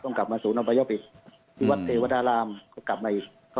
ต้องกลับมาสวุนมประโยภิสที่วัดเตวอดาลามก็กลับมาอีก